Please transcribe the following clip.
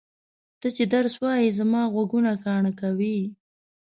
ته چې درس وایې زما غوږونه کاڼه کوې!